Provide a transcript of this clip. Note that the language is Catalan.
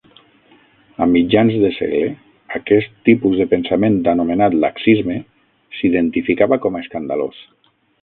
A mitjans de segle, aquest tipus de pensament anomenat laxisme, s'identificava com a escandalós.